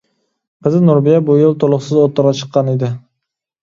قىزى نۇربىيە بۇ يىل تولۇقسىز ئوتتۇرىغا چىققان ئىدى.